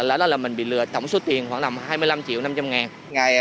ở đó là mình bị lừa tổng số tiền khoảng hai mươi năm triệu năm trăm linh ngàn